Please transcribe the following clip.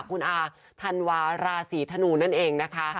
คุณอาธันวาราศีธนูนั่นเองนะคะ